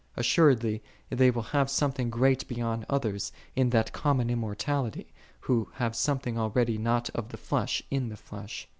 Assuredly they will have something great be yond others in that common immortality, who have something already not of the flesh in the flesh.